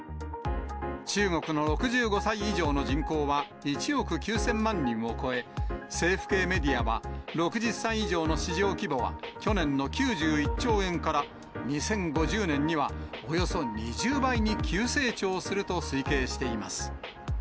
中国の６５歳以上の人口は１億９０００万人を超え、政府系メディアは、６０歳以上の市場規模は、去年の９１兆円から２０５０年にはおよそ２０倍に急成長すると推計しています。